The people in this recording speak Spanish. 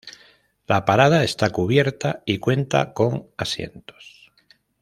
La parada está cubierta y cuenta con asientos.